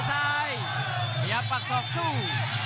พยายามปักศอกสู้